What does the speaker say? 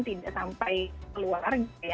tidak sampai luar